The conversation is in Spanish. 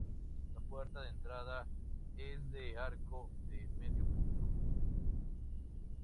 La puerta de entrada es de arco de medio punto.